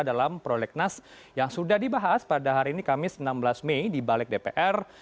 dalam prolegnas yang sudah dibahas pada hari ini kamis enam belas mei di balik dpr